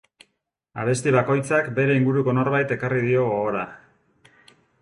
Abesti bakoitzak bere inguruko norbait ekarri dio gogora.